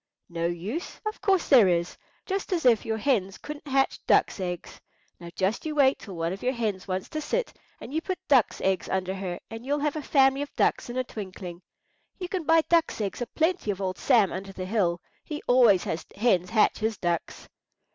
"No use! Of course there is. Just as if your hens couldn't hatch ducks' eggs. Now you just wait till one of your hens wants to sit, and you put ducks' eggs under her, and you'll have a family of ducks in a twinkling. You can buy ducks' eggs a plenty of old Sam under the hill. He always has hens hatch his ducks."